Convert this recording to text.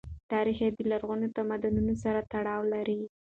دا ريښې له لرغونو تمدنونو سره تړاو لري.